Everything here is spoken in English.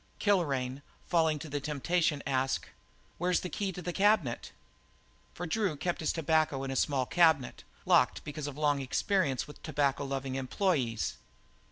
Kilrain falling to the temptation, asked: "Where's the key to the cabinet?" For Drew kept his tobacco in a small cabinet, locked because of long experience with tobacco loving employees.